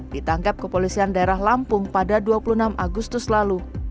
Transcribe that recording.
ditangkap kepolisian daerah lampung pada dua puluh enam agustus lalu